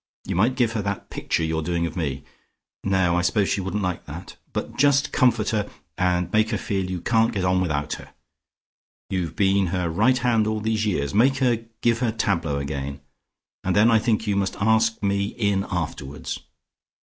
You might give her that picture you're doing of me No, I suppose she wouldn't like that. But just comfort her and make her feel you can't get on without her. You've been her right hand all these years. Make her give her tableaux again. And then I think you must ask me in afterwards.